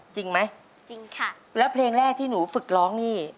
จริงไหมจริงค่ะแล้วเพลงแรกที่หนูฝึกร้องนี่